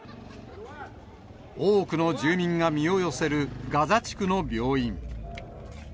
多くの住民が身を寄せるガザ地区の病院。